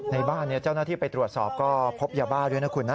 ในบ้านเจ้าหน้าที่ไปตรวจสอบก็พบยาบ้าด้วยนะคุณนะ